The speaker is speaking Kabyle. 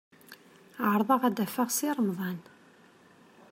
Ɛerḍeɣ ad d-afeɣ Si Remḍan.